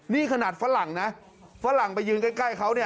นี่ขนาดฝรั่งนะฝรั่งไปยืนใกล้เขาเนี่ย